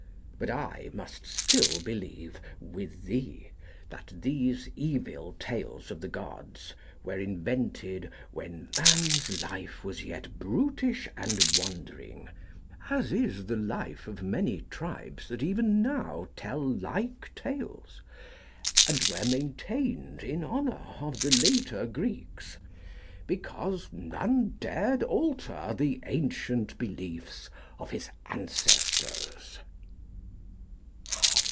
But I must still believe, with thee, that these evil tales of the Gods were invented 'when man's life was yet brutish and wandering' (as is the life of many tribes that even now tell like tales), and were maintained in honour of the later Greeks 'because none dared alter the ancient beliefs of his ancestors.'